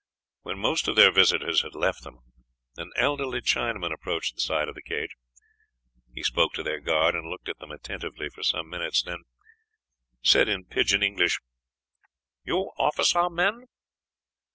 When most of their visitors had left them, an elderly Chinaman approached the side of the cage. He spoke to their guard and looked at them attentively for some minutes, then he said in pigeon English, "You officer men?"